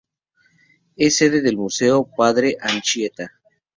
Es sede del Museo Padre Anchieta.